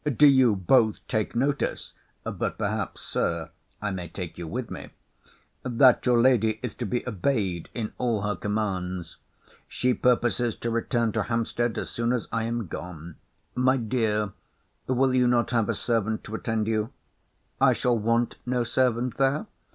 —Do you both take notice, (but, perhaps, Sir, I may take you with me,) that your lady is to be obeyed in all her commands. She purposes to return to Hampstead as soon as I am gone—My dear, will you not have a servant to attend you? I shall want no servant there.